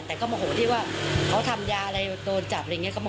แต่ก็โมโหที่ว่าเขาทำยาอะไรโดนจับอะไรอย่างนี้